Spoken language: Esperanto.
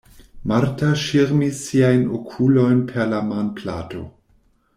Marta ŝirmis siajn okulojn per la manplato.